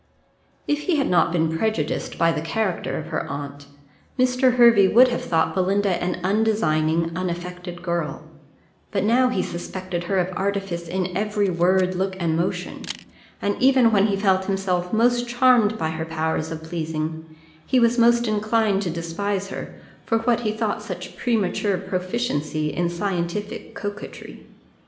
If he had not been prejudiced by the character of her aunt, Mr. Hervey would have thought Belinda an undesigning, unaffected girl; but now he suspected her of artifice in every word, look, and motion; and even when he felt himself most charmed by her powers of pleasing, he was most inclined to despise her, for what he thought such premature proficiency in scientific coquetry.